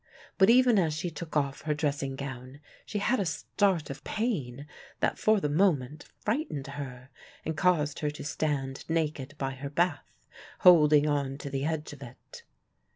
But even as she took off her dressing gown, she had a start of pain that for the moment frightened her, and caused her to stand naked by her bath, holding on to the edge of it.